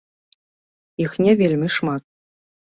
Іх не вельмі шмат.